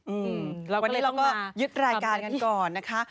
อืมแล้ววันนี้เราก็ยึดรายการกันก่อนนะคะ